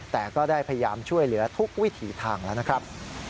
แต่ก็ได้พยายามช่วยเหลือทุกวิถีทางแล้วนะครับ